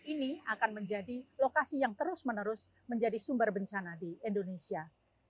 ini akan menjadi lokasi yang terus menerus menjadi sumber bencana di indonesia